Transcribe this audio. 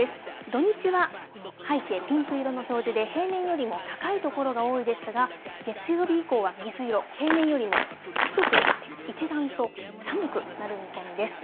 土日は背景ピンク色の表示で、平年よりも高い所が多いですが、月曜日以降は水色、平年よりも低くなって、一段と寒くなる見込みです。